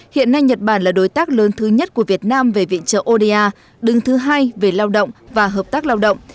hiện nay nhật bản là đối tác lớn thứ nhất của việt nam về viện trợ oda đứng thứ hai về lao động và hợp tác lao động